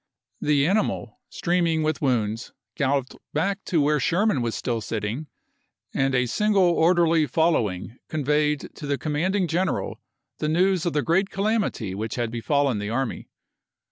The juiy23,i864. animal, streaming with wounds, galloped back to where Sherman was still sitting, and a single orderly following conveyed to the commanding general the news of the great calamity which had befallen the army.